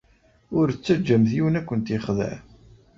Ur ttaǧǧamt yiwen ad kent-yexdeɛ.